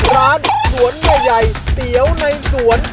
ร้านสวนแม่ไยเตี๋ยวในสวน